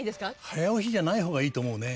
早押しじゃない方がいいと思うね。